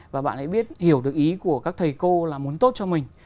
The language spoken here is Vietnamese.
và bạn hãy biết hiểu được ý của các thầy cô là muốn tốt cho mình